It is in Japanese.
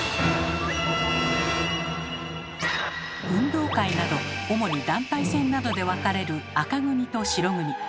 運動会など主に団体戦などでわかれる赤組と白組。